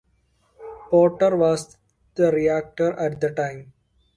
Potter was the rector at the time.